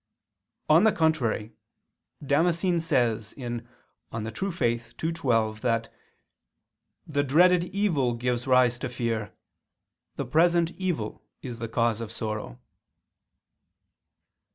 On the contrary, Damascene says (De Fide Orth. ii, 12) that "the dreaded evil gives rise to fear, the present evil is the cause of sorrow."